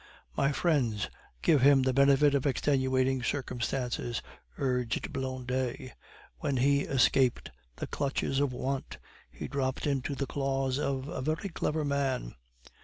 "My friends, give him the benefit of extenuating circumstances," urged Blondet. "When he escaped the clutches of want, he dropped into the claws of a very clever man."